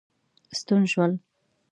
ستون شول.